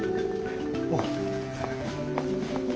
おう。